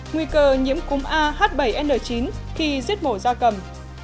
nguy cơ nhiễm cúng a h bảy n chín khi giết mổ gia cầm